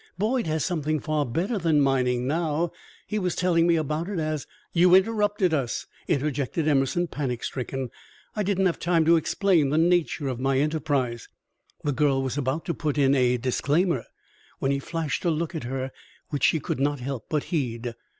"Boyd has something far better than mining now. He was telling me about it as " "You interrupted us," interjected Emerson, panic stricken. "I didn't have time to explain the nature of my enterprise." The girl was about to put in a disclaimer, when he flashed a look at her which she could not help but heed.